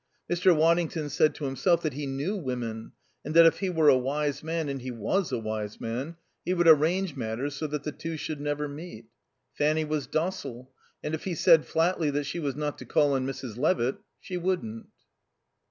Mr. Waddington said to himself that he knew women, and that if he were a wise man, and he was a wise man, he would arrange matters so that the two should never meet. Fanny was docile, and if he said flatly that she was not to call on Mrs. Levitt, she wouldn't.